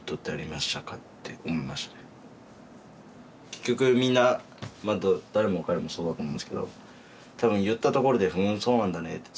結局みんな誰も彼もそうだと思うんですけど多分言ったところで「ふんそうなんだね」って